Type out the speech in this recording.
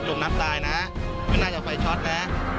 ตรงนับใดนะไม่น่าจะไฟฟ้าช็อตนะ